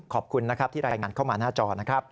ขอบคุณนะครับที่รายงานเข้ามาหน้าจอนะครับ